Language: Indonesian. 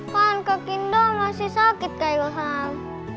kan kak indah masih sakit kak ilham